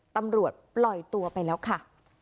ตำรวจปล่อยตัวไปแล้วค่ะ